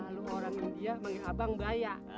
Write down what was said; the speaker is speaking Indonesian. kalau orang india panggil abang bayak